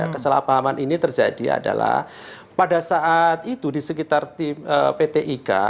kesalahpahaman ini terjadi adalah pada saat itu di sekitar pt ika